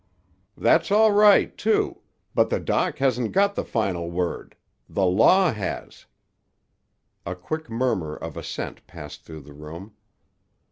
"That's all right, too. But the doc hasn't got the final word. The law has." A quick murmur of assent passed through the room.